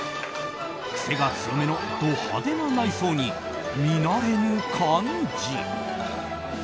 癖が強めのド派手な内装に見慣れぬ漢字。